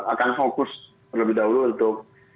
akan fokus terlebih dahulu untuk